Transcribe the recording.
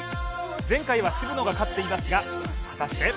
前回は渋野が勝っていますが、果たして？